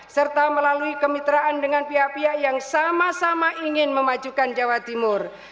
serta melalui kemitraan dengan pihak pihak yang sama sama ingin memajukan jawa timur